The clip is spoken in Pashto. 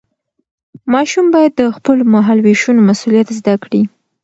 ماشوم باید د خپلو مهالوېشونو مسؤلیت زده کړي.